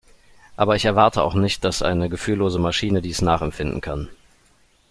Aber ich erwarte auch nicht, dass eine gefühllose Maschine dies nachempfinden kann.